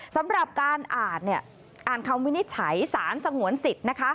สำหรับการอ่านอ่านคำวินิจฉัยสารสงวนสิทธิ์นะคะ